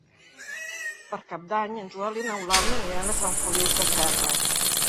Per Cap d'Any en Joel i n'Eulàlia aniran a Sant Feliu Sasserra.